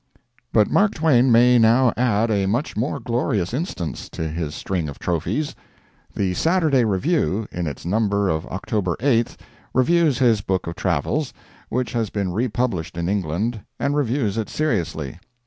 But Mark Twain may now add a much more glorious instance to his string of trophies. The Saturday Review, in its number of October 8th, reviews his book of travels, which has been republished in England, and reviews it seriously.